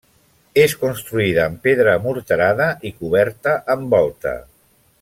És construïda amb pedra amorterada i coberta amb volta.